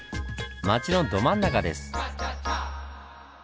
町のど真ん中です。